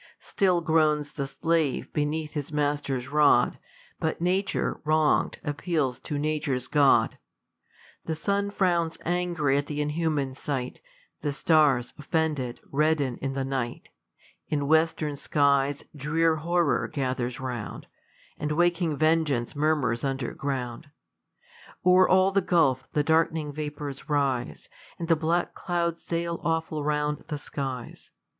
Still groans the slave beneath his master's rod, But nature, wrong'd, appeals to nature's GOD. The sun frowns angry at th' inhuman, sight ; The stars, offended, redden in the night : fn western skies, drear horror gathers round, And waking vengeance murmurs under ground ; O'er all the gulph the dark'nirig vapours rise, And the black clouds sail av/ful round the skies.